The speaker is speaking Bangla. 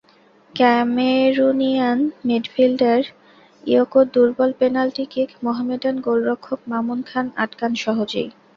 ক্যামেরুনিয়ান মিডফিল্ডার ইয়োকোর দুর্বল পেনাল্টি কিক মোহামডান গোলরক্ষক মামুন খান আটকান সহজেই।